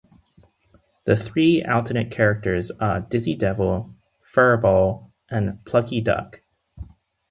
The three alternate characters are Dizzy Devil, Furrball, and Plucky Duck.